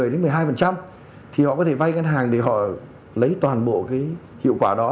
một mươi một mươi hai thì họ có thể vay ngân hàng để họ lấy toàn bộ cái hiệu quả đó